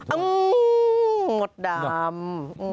อังงงงงงดดำ